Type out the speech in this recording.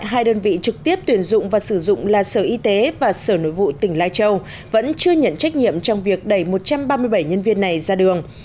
hai đơn vị trực tiếp tuyển dụng và sử dụng là sở y tế và sở nội vụ tỉnh lai châu vẫn chưa nhận trách nhiệm trong việc đẩy một trăm ba mươi bảy nhân viên này ra đường